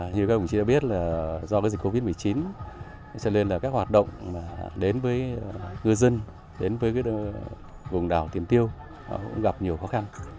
như các quý vị đã biết do dịch covid một mươi chín các hoạt động đến với ngư dân đến với vùng đảo tiền tiêu cũng gặp nhiều khó khăn